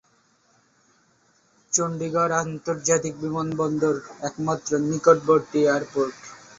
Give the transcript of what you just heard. চণ্ডীগড় আন্তর্জাতিক বিমানবন্দর একমাত্র নিকটবর্তী এয়ারপোর্ট।